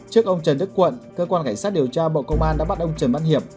trước ông trần đức quận cơ quan cảnh sát điều tra bộ công an đã bắt ông trần văn hiệp